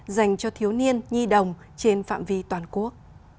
dành cho thiếu niên nhi đồng trên phạm vi toàn quốc